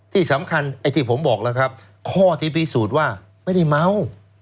ที่สำคัญไอ้ที่ผมบอกแล้วครับข้อที่พิสูจน์ว่าไม่ได้เมา